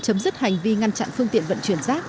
chấm dứt hành vi ngăn chặn phương tiện vận chuyển rác